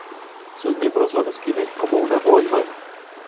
Sus miembros lo describen como una boy band.